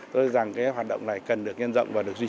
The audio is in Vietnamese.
tôi rằng hoạt động này cần được nhanh rộng và được duy trì